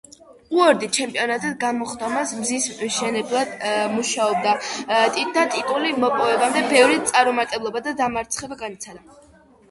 უორდი ჩემპიონად გახდომამდე გზის მშენებლად მუშაობდა და ტიტულის მოპოვებამდე ბევრი წარუმატებლობა და დამარცხება განიცადა.